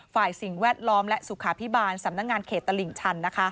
สิ่งแวดล้อมและสุขาพิบาลสำนักงานเขตตลิ่งชัน